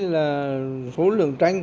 là số lượng tranh